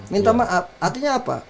minta maaf artinya apa